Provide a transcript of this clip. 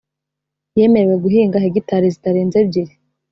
yemerewe guhinga hegitari zitarenze ebyiri